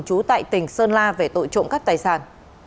trú tại tỉnh sơn la về tội trộm cắp tài sản